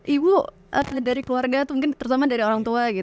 ibu dari keluarga itu mungkin terutama dari orang tua